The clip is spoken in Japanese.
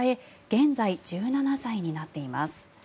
現在１７歳になっています。